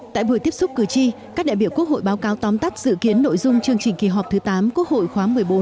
tại buổi tiếp xúc cử tri các đại biểu quốc hội báo cáo tóm tắt dự kiến nội dung chương trình kỳ họp thứ tám quốc hội khóa một mươi bốn